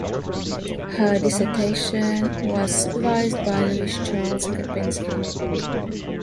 Her dissertation was supervised by Louis Charles Karpinski.